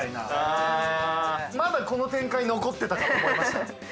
まだこの展開残ってたかと思いました。